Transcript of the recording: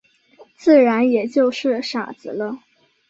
自然也就是傻子了。